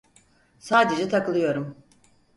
Sadece takılıyorum.